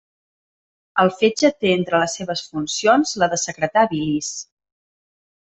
El fetge té entre les seves funcions la de secretar bilis.